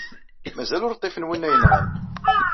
Mazal ur ṭṭifen winna yenɣan.